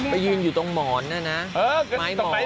มันยืนอยู่ตรงหมอนไม้ฉลาดในหมอน